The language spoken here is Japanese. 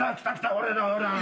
俺だ俺。